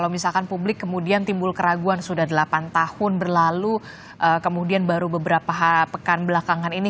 misalkan publik kemudian timbul keraguan sudah delapan tahun berlalu kemudian baru beberapa pekan belakangan ini